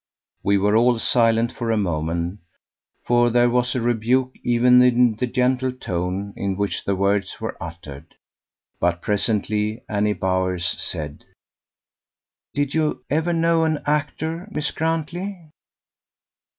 We were all silent for a moment, for there was a rebuke even in the gentle tone in which the words were uttered; but presently Annie Bowers said: "Did you ever know an actor, Miss Grantley?"